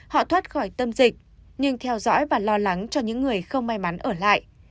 họ thoát khỏi tâm dịch nhưng theo dõi và lo lắng cho những người không may mắn ở lại